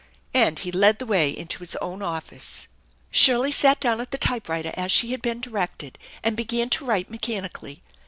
And he led the way into his own office. Shirley sat down at the typewriter as she had been directed and began to write mechanically.